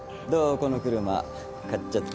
この車買っちゃった。